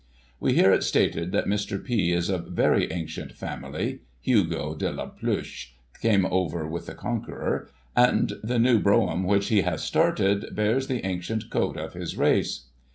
We hear it stated that Mr. P. is of very ancient family (HuGO DE la Pluche came over with the Conqueror) ; and the new Brougham which he has started, bears the ancient coat of his race.